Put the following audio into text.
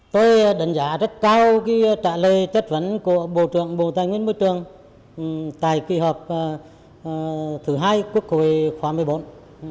tôi đánh giá rất cao trả lời chất vấn của bộ trưởng bộ tài nguyên môi trường tại kỳ họp thứ hai quốc hội khóa một mươi bốn